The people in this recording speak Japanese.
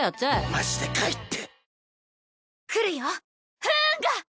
マジで帰って。